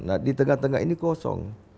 nah di tengah tengah ini kosong